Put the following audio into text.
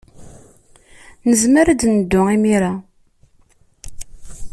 Nezmer ad neddu imir-a.